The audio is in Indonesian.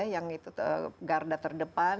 yang itu garda terdepan